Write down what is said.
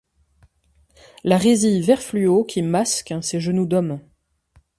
La résille vert fluo qui masque ses genoux d'homme.